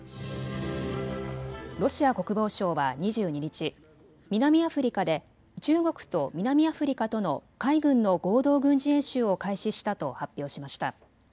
ロシア国防省は２２日、南アフリカで中国と南アフリカとの海軍の合同軍事演習を開始したと発表しました。